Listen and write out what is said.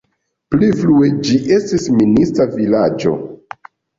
Pli frue ĝi estis minista vilaĝo.